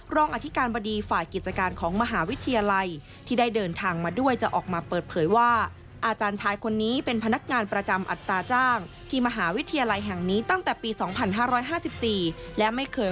รองอธิการบดีฝ่ายกิจการของมหาวิทยาลัย